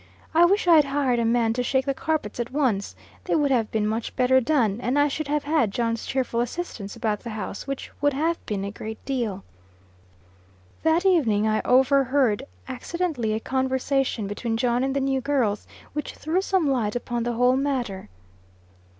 I wish I'd hired a man to shake the carpets at once; they would have been much better done, and I should have had John's cheerful assistance about the house, which would have been a great deal." That evening I overheard, accidentally, a conversation between John and the new girls, which threw some light upon the whole matter.